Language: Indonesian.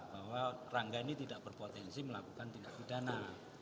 bahwa rangga ini tidak berpotensi melakukan tindak pidana